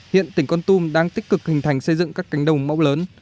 hiện tỉnh con tum đang tích cực hình thành xây dựng các cánh đồng mẫu lớn